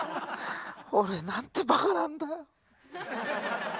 俺なんてバカなんだ。